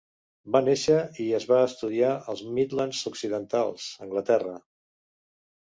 Va néixer i es va estudiar als Midlands Occidentals, Anglaterra.